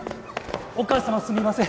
お母さますみません。